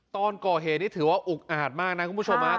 ตอนก่อเหตุนี้ถือว่าอุกอาจมากนะคุณผู้ชมครับ